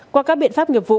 qua các biện pháp nghiệp vụ